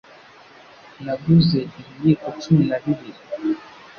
Naguze ibiyiko cumi na bibiri.